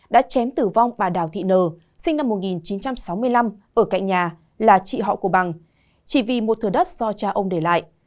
đã chém tử vong bà đào thị nờ sinh năm một nghìn chín trăm sáu mươi năm ở cạnh nhà là chị họ của bằng chỉ vì một thừa đất do cha ông để lại